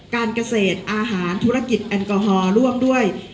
การเกษตรอาหารธุรกิจแอลกอฮอล์ร่วมด้วย